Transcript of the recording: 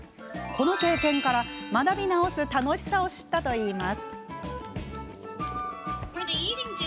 この経験から、学び直す楽しさを知ったといいます。